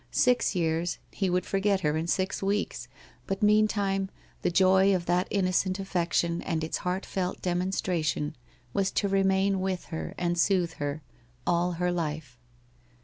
Six years — he would forget her in six weeks, but meantime the joy of that innocent affection and its heartfelt, demonstration was to remain with her and soothe her all her life.